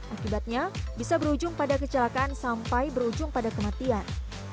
akibatnya bisa berujung pada kecelakaan sampai berujung pada kematian